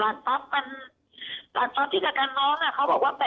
อาสตรกะอาสตรกะที่และกันน้องเขาบอกว่า๘๐๐๐๐อ่ะ